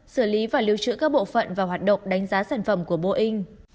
xử lý và lưu trữ các bộ phận và hoạt động đánh giá sản phẩm của boeing